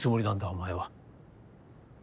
お前は。